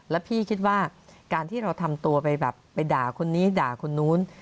แล้วพี่คิดว่าการที่เราทำตัวไปแบบไปด่าคนนี้ด่าคนนู้น